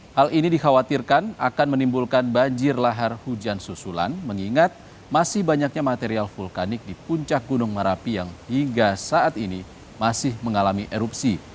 hal ini dikhawatirkan akan menimbulkan banjir lahar hujan susulan mengingat masih banyaknya material vulkanik di puncak gunung merapi yang hingga saat ini masih mengalami erupsi